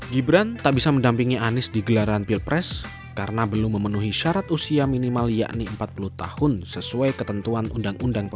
gibran tak bisa mendampingi anies di gelaran pilpres karena belum memenuhi syarat usia minimal yakni empat puluh tahun sesuai ketentuan undang undang kpk